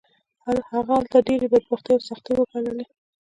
هغه هلته ډېرې بدبختۍ او سختۍ وګاللې